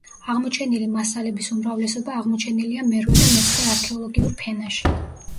აღმოჩენილი მასალების უმრავლესობა აღმოჩენილია მერვე და მეცხრე არქეოლოგიურ ფენაში.